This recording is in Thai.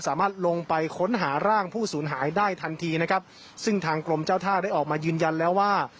สามารถลงไปค้นหาร่างผู้สูญหายได้ทันทีนะครับซึ่งทางกรมเจ้าท่าได้ออกมายืนยันแล้วว่า